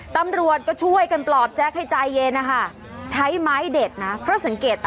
ตำรวจก็ช่วยกันปลอบแจ๊คให้ใจเย็นนะคะใช้ไม้เด็ดนะเพราะสังเกต